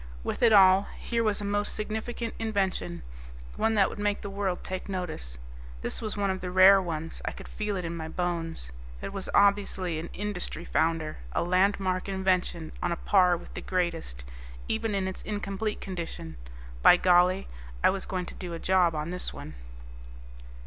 With it all, here was a most significant invention, one that would make the world take notice. This was one of the rare ones, I could feel it in my bones. It was obviously an industry founder, a landmark invention on a par with the greatest, even in its incomplete condition. By golly, I was going to do a job on this one.